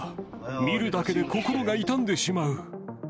見るだけで心が痛んでしまう。